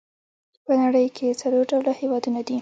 په نړۍ کې څلور ډوله هېوادونه دي.